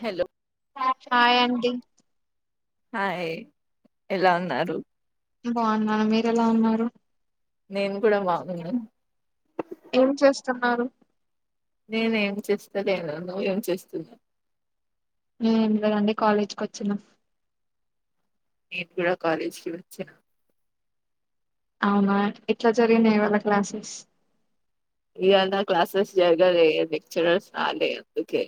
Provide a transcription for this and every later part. Hello ఒ hi అండి hi ఎలా ఉన్నారు బాగున్నను మీరు ఎలా ఉన్నారు నేను కూడా బాగున్నా ఏం చేస్తున్నారు నేను ఏం చేస్తలేను నువేం చేస్తున్నవ్ ఊ కదండి కాలేజ్కి వచ్చినం నేను కూడా కాలేజీకి వచ్చినం అవునా ఎట్లా జరిగినయి ఇవాళ క్లాసెస్ ఇయాల క్లాసెస్ జరిగలే అండీ లెక్చరర్స్ రాలె అందుకే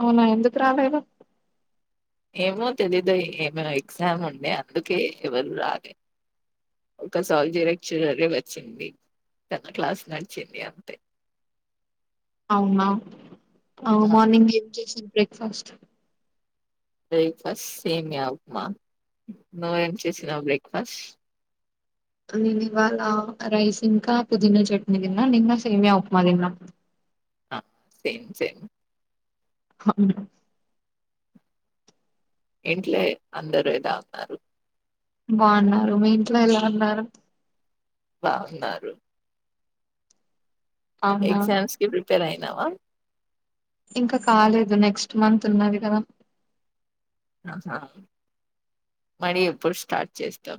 అవునా ఎంందుకు రాలేదు ఏమో తెలీదు ఏమో ఎగ్జామ్ ఉండే అందుకే ఎవరూ రాలే ఒక సాల్జి లెక్చరర్ ఏ వచ్చింది తన క్లాస్ నడిచింది అంతే అవునా ఆ మార్నింగ్ ఏం చేసింది బ్రేక్ఫాస్ట్ బ్రేక్ఫాస్ట్ సేమ్యా ఉప్మా నువ్వేం చేసినవ్ బ్రేక్ఫాస్ట్ నేను ఇవాళ రైస్ ఇంకా పుదీనా చట్నీ తిన్నా నింకా సేమ్యా ఉప్మా తిన్నం ఆ సేమ్ సేమ్ హవును ఇంట్ల అందరూ ఎదా ఉన్నారు బాగున్నారు మీ ఇంట్లో ఎలా ఉన్నారు బాగున్నారు అవునా ఎగ్జామ్స్ కి ప్రిపేర్ అయినావా ఇంకా కాలేదు నెక్స్ట్ మంత్ ఉన్నది కదా ఆహా మరి ఎప్పుడు స్టార్ట్ చేస్తాం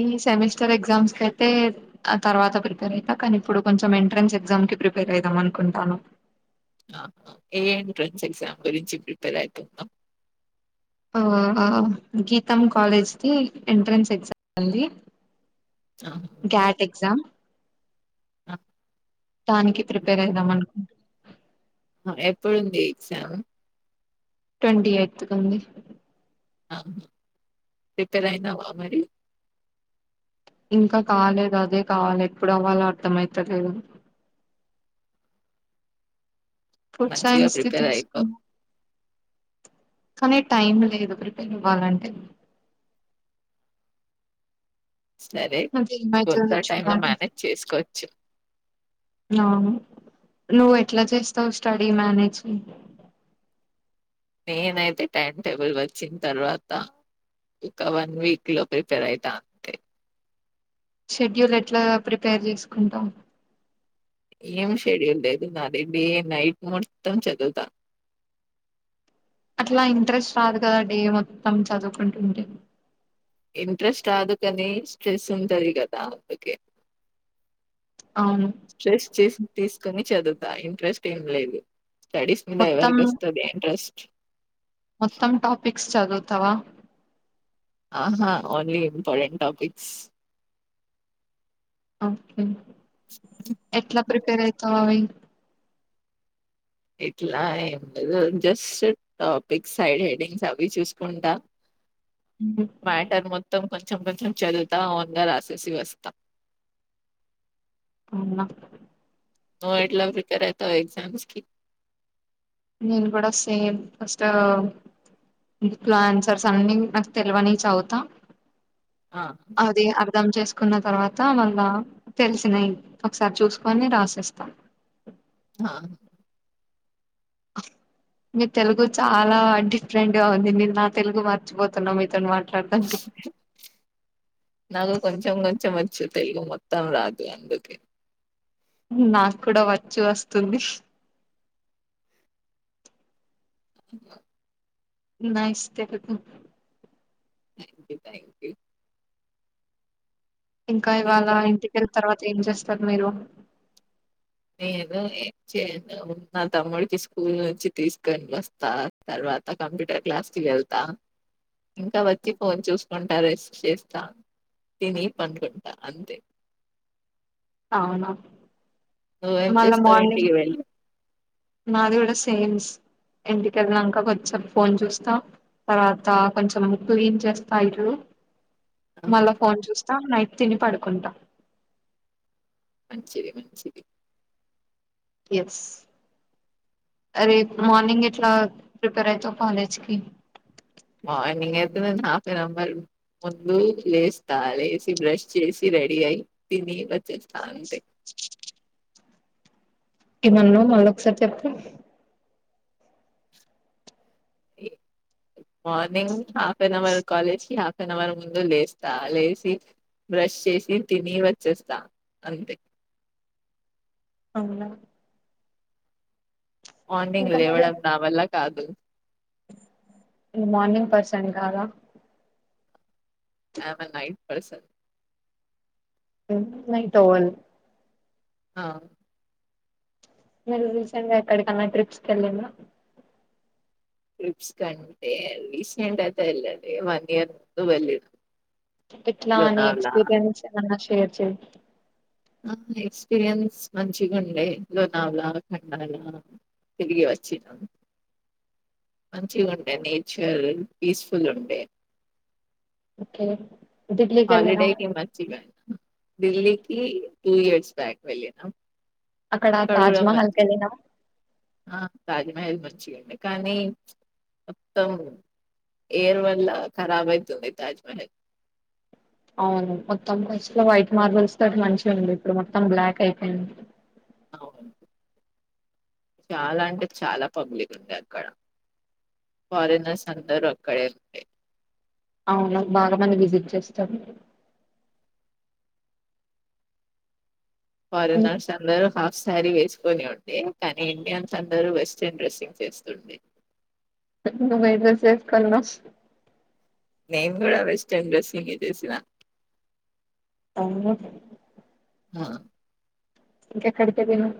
ఈ సెమిస్టర్ ఎగ్జామ్స్ క అయితే తర్వాత ప్రిపేర్ అవుతా కానీ ఇప్పుడు కొంచెం ఎంట్రెన్స్ ఎగ్జామ్ కి ప్రిపేర్ అయిదాం అనుకుంటాను ఆ ఏ ఎంట్రన్స్ ఎక్సామ్ గురించి ప్రిపేర్యింద ఆ గీతం కాలేజ్కిి ఎంట్రెన్స్ ఎగ్జామ్ ఉంది గ్యాట్ ఎక్జామ్ ఆ దానికి ప్రిపేర్ అయిదాం అనుకో ఎప్పుడుంది ఎగ్జామ్ ట్వంటీ ఎయిత్ క అంది ఆ ప్రిపేర్ అయినావా మరి ఇంకా కాలేదు అదే కావాలి ఎప్పుడు అవలో అర్థమయితలేదు ఫుడ్ మంచిగా సైన్స్ి ప్రిపేర్ అయిపో. తీసుకున్నా కానీ టైం లేదు ప్రిపేర్ ఇవ్వాలంటే సరే కొంత ఏమైతదో టైమ్ లో మేనేజ్ చేసుకోవచ్చు ఆ నువ్వు ఎట్లా చేస్తావు్ స్టడీ మేనేజ్ నేనైతే టైమ్ టేబుల్ వచ్చిన తర్వాత ఒక వన్ వీక్ లో ప్రిపేర్ అయితా అంతే షెడ్యూల్ ఎట్లా ప్రిపేర్ చేసుకుంటాం ఏం షెడ్యూల్ లేదు నాది డే నైట్ మొత్తం చదువుతా అట్లా ఇంట్రెస్ట్ రాదు కదా డే మొత్తం చదువుకుంటుంటే ఇంట్రెస్ట్ రాదుకని స్ట్రెస్ ఉంటది కదా అందుకే అవును స్ట్రెస్ తీసుకుని చదువుతా ఇంట్రెస్ట్ ఏం లేదు స్టడీస్ మీద మొత్తం ఎవరికొస్తాది ఇంట్రెస్ట్ మొత్తం టాపిక్స్ చదువుతవా ఆహా ఓన్లీ ఇంపార్టెంట్ టాపిక్స్ ఓకే ఎట్లా ప్రిపేర్ అయిత అయి ఇట్లా ఏ లేదు జస్ట్ టాపిక్స్ సైడ్ హెడింగ్స్ అవి చూసుకుంటా మాటర్ మొత్తం కొంచెం కొంచెం చదువుతా ఓన్ రాసేసి వస్తా అవునా నువ్వు ఎట్లా ప్రిపేర్ అయితవ్ ఎగ్జామ్స్కి నేను కూడా సేమ్ ఫస్ట్ ఇంట్లా అన్సర్స్ అన్నీ నాకు తెలివని చదువుతా ఆ అర్ధం చేసుకున్న తర్వాత మళ్ళా తెలిసినాయి ఒకసారి చూసుకని రాసేస్తాం ఆా మీ తెలుగు చాలా డిఫరెంట్ గా ఉంది మీరు నా తెలుగు మర్చిపోతున్నా మీతోని మాట్లాడతాంటే నాకు కొంచెం కొంచెం వ తెలుగు మొత్తం రాదు అందుకే నాకు కూడా వచ్చి వస్తుంది nice Telugu thank you thank you ఇంకా ఇవాళ ఇంటికి వెళ్ళి తర్వాత ఏం చేస్తారు మీరు నేనును నా తమ్ముడికి స్కూల్ నుంచి తీసుకని వస్తా తర్వాత తర్వాత కంప్యూటర్ క్లాస్ కి వెళ్తా ఇంకా వచ్చి ఫోన్ చూసుకుంటా రెస్ట్ చేస్తా తినీ పనుకుంటా అంతే అవునా నువ్వేం మళ్ళ చేస్తావు మార్నింగ్ ఇంటికి వెళ్ళి మాది కూడా సేల్స్ ఇంటికి వెళ్లినాక కొంచెం ఫోన్ చూస్తా తర్వాత కొంచెం ముగ్ క్లీన్ చేస్తా ఇల్లు ఆహా మళ్ళా ఫోన్ చూస్తా నైట్ తిని పడుకుంటా మంచిది మంచిది ఎస్ రేపు మార్నింగ్ ఎట్లా ప్రిపేర్ అవుతావు కాలేజ్కి మార్నింగ్ అయితే నేను హల్ఫ్నోవర్ ముందు లేస్తా లేసి బ్రష్ చేసి రెడీ అయి తిని వచ్చేస్తా అంతే ఏమన్నా మళ్ళీ ఒకసారి చేపండి ఏ morning half an hour college కి హాఫ్ అన్ అవర్ ముందు లేస్తా లేచి బ్రష్ చేసి తిని వచ్చేస్తా అంతే అవునా మార్నింగ్ లేవడం నా వల్ల కాదు గు మార్నింగ్ పర్సన్ కాదా ఐమ్ అ నైట్ పర్సన్ న టవన్ ఆ మీను రీసెంట్ గా ఎక్కడికన్నా ట్రిప్స్కిళ్ళిన ట్రిప్ కంటే రీసెంట్ అయితే వెళ్ళలేదు [inaudible] ఎట్లా ఆని ఎక్స్పీిరియన్స్ ఏం అన్న షేర్ చేయి ఆ ఎక్స్పీరియన్స్ మంచిగా ఉండే లోనవాల ఖండాల [inaudible] తరిగి వచ్చినా మంచిగా ఉండే నేచర్ పీస్ఫుల్ ఉండే ఓకే ఢిల్లీకి వెళ్ళినాం హాలిడేకిి మచ్చిపో ఢిల్లీకి టూ ఇయర్స్ బ్యాక్ వెళ్ళినం అక్కడ తాజ్మహల్ కి వెళ్ళినావ ఆ తాజ్మహల్ వచ్చియండి కానీ మొత్తం ఏరు వల్ల కరబ్ అయితుంది తాజమహల్ అవును మొత్తం ఫస్ట్ లో వైట్ మార్బల్స్ తో మంచిగా ఉంది ఇప్పుడు మొత్తం బ్లాక్ అయిపోయింది అవును చాలా అంటే చాలా పబ్లిక్ ఉంది అక్కడ ఫారినర్స్ అందరూ అక్కడే ఉంటే అవున బాగా మంది విజిట్ చేస్తారూ హ్మ్. ఫరెనర్స్ అందరు హాఫ్ సారీ వే ని ఉండి కానీ ఇండియన్స్ అందరు వెస్ట్రన్ డ్రెస్సింగ్ వేస్కుండి నువ్వు ఏ డ్రెస్ వేస్కోనవు నేను కూడా వెస్ట్రన్ డ్రెస్సింగ్ చేసినా అవున ఆ ఇంకా ఎక్కడికి వెళ్లినావ్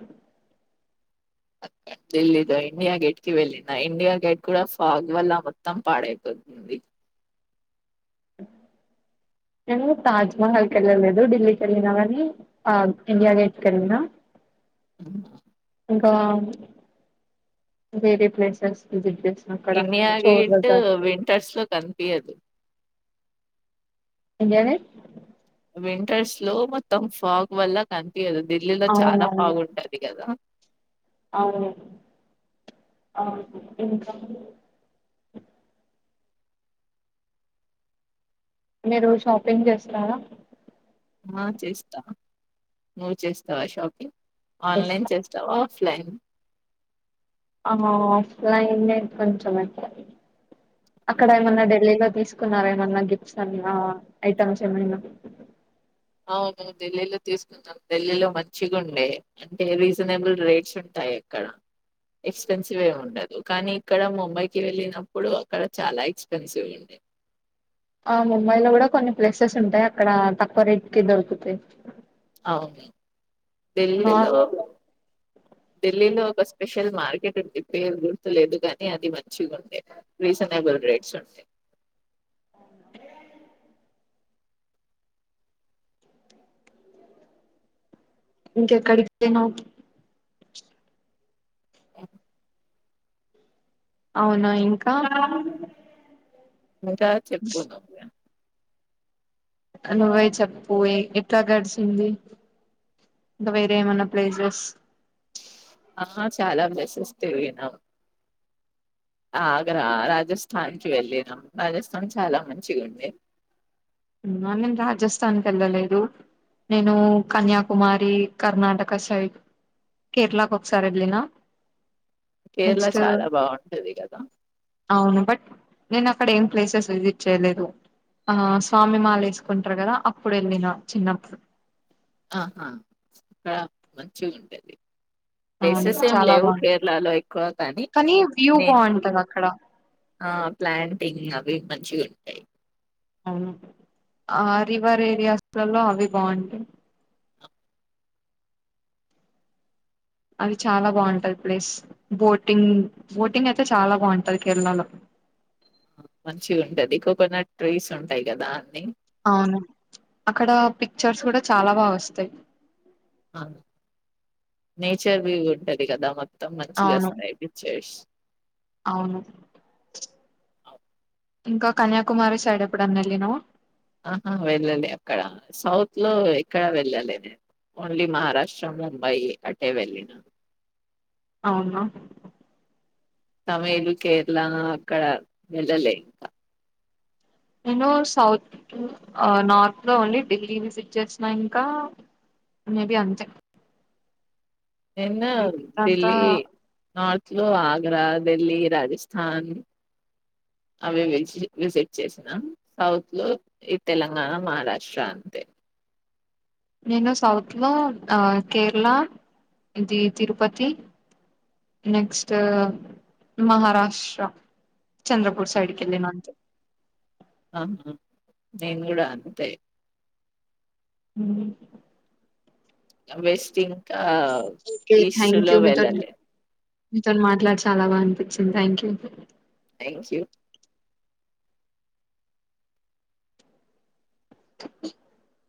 అఓకే ఢిల్లీ లో ఇండియా గేట్ కి వెళ్ళిన ఇండియా గేట్ కూడా ఫాగ్ వల్ల మొత్తం పాడైపోతుంది నేను తాజ్మహల్ క వెళ్ళలేదు ఢిల్లీకి వెళ్ళినా కాని ఆ ఇండియా గేట్క వెళ్ళినా [inaudible] ఇంకా వేరే ప్లేసెస్ విజిట్ చేస్తా ఇండియా గేట్ వింటర్స్ లో కనిపియదు యాంగేనే వింటర్స్ లో మొత్తం ఫాగ్ వల్ల కనిపించదు ఢిల్లీలో చాలా ఫాగ అవునవును ఉంటది కదా అవును అవును ఇంకా మీరు షాపింగ్ చేస్తారా ఆ చేస్తా నువ్వు చేస్తావా షాపింగ్ ఆన్లైన్ చేస్తా చేస్తావా ఆఫ్ఫ్లిన్ ఆ ఆఫ్లైన్ కొంచం అట్లా అక్కడ ఏమన్నా ఢిల్లీలో తీసుకు కున్నార ఏమన్నా గిఫ్ట్స్ అ ఐటమ్స్ ఏమనా అవును ఢిల్లీలో తీసుకుంనం ఢిల్లీలో మంచిగా ఉండే అంటే రీజనబుల్ రేట్స్ ఉంటాయి ఎక్కడ ఎక్స్పెన్సివ్ ఉండదు కానీ ఇక్కడ ముంబైకి వెళ్ళినప్పుడు అక్కడ చాలా ఎక్స్పెన్సివ్ ఉండేది [inaudible] హ ముంబైలో కూడా కొన్ని ప్లేసెస్ ఉంటాయి అక్కడ తక్కువ రేట్కి దొరుకుతాయి అవును ఢిల్లీలో నార్మల్గా ఢిల్లీలో ఒక స్పెషల్ మార్కెట్ కేట్ ఉంది పేరు గుర్తులేదు కానీ అది మంచిగా ఉంటేయి రీజనబుల్ రేట్స్ ఉంటాయి [inaudible] [inaudible] ఇంకెక్కడికి పోయినావు [inaudible] అవునా ఇంకా ఇంకా చెప్పు నువ్వే నువే చెప్పు ఎట్లా గడిచింది ఇంకా వేరే ఏమన్నా ప్లేసెస్ ఆహా చాలా ప్లేసెస్ తిరిగినా ఆగరా రాజస్థాన్ కి వెళ్ళినాం రాజస్థాన్ చాలా మంచిగా ఉంది [inaudible] మనం రాజస్థాన్ వెళ్ళలేదు నేను కన్యాకుమారి కర్ణాటక సైడ్ కేర్లాకి ఒకసారి వెళ్ళిన కేరళ నెక్స్ట్ చాలా బాగుంటది కదా అవును బట్ నేను అక్కడ ఏం ప్లేసెస్ విజిట్ చేయలేదు ఆ స్వామి మాల వేసుకుంటారు కదా అప్పుడు వెళ్ళిన చిన్నప్పుడు ఆహా అక్కడ మంచి ఉంటంది అవును ప్లేసెస్ ఏం చాలా లేవు బాగుంటది కేరళలో ఎక్కువ కానీ వ్యూ నేను బాగుంటది అక్కడ ఆ ప్లాంటింగ్ అవి మంచిగా ఉంటాయి అవును ఆ రివర్ రివరరియాస్ లో అవి బాగుంటయి [inaudible] అది చాలా బాగుంటది ప్లేస్ బోటింగ్ బోటింగ్ అయితే చాలా బాగుంటది కేరళలో మంచి ఉంటది కోకోనట్ ట్రీస్ ఉంటాయి కదా అన్ని అవును అక్కడ పిక్చర్స్ కూడా చాలా బాగా వస్తాయి నేచర్ వ్యూ ఉంటది కదా మొత్తం మొత్తం మంచిగా అవును వస్తాయి పిక్చర్స్ అవును ఇంకా కన్యాకుమారి సైడ్ ఎప్పుడున్నా వెళ్ళనవ ఆహా వెళ్ళాలే అక్కడ సౌత్ లో ఎక్కడ వెళ్ళాలే నేను ఓన్లీ మహారాష్ట్ర ముంబై అట్టే వెళ్ళిన అవునా తమిళ కేరళ అక్కడ వెెళ్ళలే ఇంకా నేను సౌత్ నార్త్ లో ఓన్లీ ఢిల్లీ విజిట్ చేసిన ఇంకా మే బి అంతే ఎన్న మిగతాదంతా ఢిల్లీ నార్త్ లో ఆగ్ర ఢిల్లీ రాజస్థాన్ అవి విజిట్ విజిట్ చేసినా సౌత్ లో ఈ తెలంగాణ మహారాష్ట్ర అంతే నేను సౌత్లో కేరళ ఇది తిరుపతి నెక్స్ట్ మహారాష్ట్ర చంద్రపూర్ సైడ్కెల్లిన అంతే ఆహా నేను కూడా అంతే హ వెస్ట్ ఇంకా ఈస్ట్ లో వెళ్ళాలి మీతోనీ మాట్లాడి చాలా బానిపించింది థ్యాంక్ యూ థ్యాంక్ యూ [inaudible]